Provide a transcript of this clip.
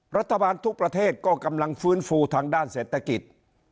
รัฐบาลทุกประเทศก็กำลังฟื้นฟูทางด้านเศรษฐกิจ